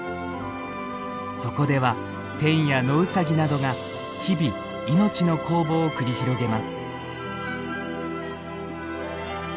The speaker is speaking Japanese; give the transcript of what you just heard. そこではテンやノウサギなどが日々命の攻防を繰り広げます。